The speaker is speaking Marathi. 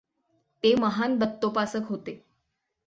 ते महान दत्तोपासक होते.